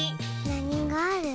なにがある？